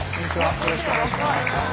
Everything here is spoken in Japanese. よろしくお願いします。